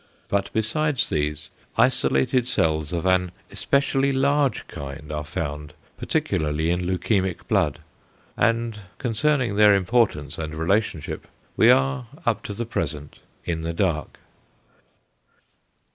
But besides these, isolated cells of an especially large kind are found particularly in leukæmic blood, and concerning their importance and relationship we are up to the present in the dark.